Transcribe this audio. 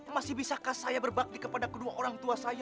masih bisakah saya berbakti kepada kedua orang tua saya